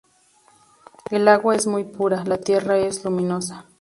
El agua es muy pura, la tierra es luminosa.